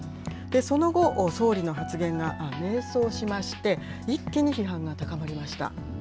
その後、総理の発言が迷走しまして、一気に批判が高まりました。